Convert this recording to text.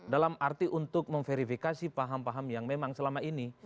dalam arti untuk memverifikasi paham paham yang memang selama ini